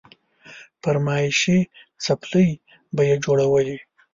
فرمايشي څپلۍ به يې جوړولې.